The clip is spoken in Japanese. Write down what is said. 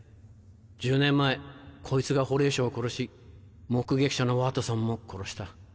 １０年前こいつがホレイショを殺し目撃者のワトソンも殺した。